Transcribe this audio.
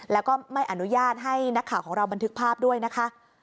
แล้วก็ไม่อนุญาตให้นักข่าวของเราบันทึกภาพด้วยนะคะ